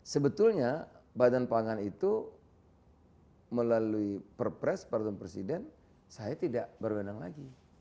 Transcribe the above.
sebetulnya badan pangan itu melalui perpres pada presiden saya tidak berwenang lagi